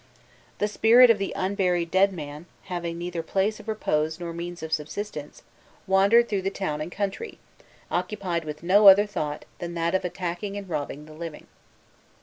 The spirit of the unburied dead man, having neither place of repose nor means of subsistence, wandered through the town and country, occupied with no other thought than that of attacking and robbing the living.